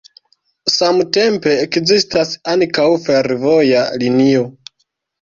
Samtempe ekzistas ankaŭ fervoja linio.